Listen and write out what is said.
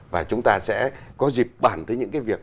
và chúng ta sẽ có dịp bản tới những cái việc